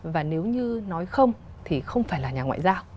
và nếu như nói không thì không phải là nhà ngoại giao